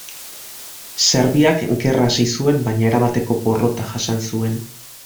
Serbiak gerra hasi zuen baina erabateko porrota jasan zuen.